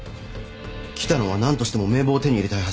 喜多野は何としても名簿を手に入れたいはず。